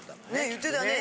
言ってたね。